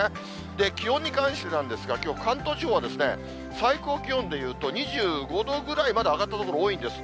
気温に関してなんですが、きょう、関東地方は最高気温でいうと２５度ぐらいまで上がった所が多いんです。